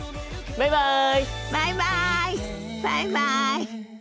バイバイ。